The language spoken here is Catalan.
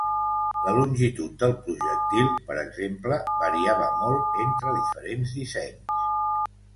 La longitud del projectil, per exemple, variava molt entre diferents dissenys.